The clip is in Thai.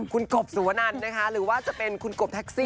คุณกบสุวนันนะคะหรือว่าจะเป็นคุณกบแท็กซี่